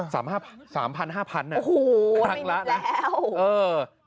สามพันสามพันห้าพันเนี่ยครั้งแล้วนะโอ้โหไม่นิดแล้ว